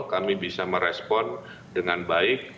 kami bisa merespon dengan baik